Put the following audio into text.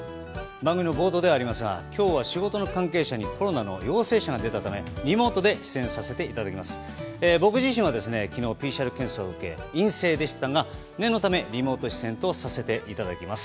番組の冒頭ではありますが今日は仕事の関係者にコロナの陽性者が出たためリモートで出演させていただきます。